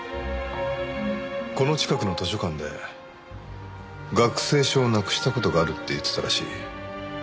この近くの図書館で学生証をなくした事があるって言ってたらしい。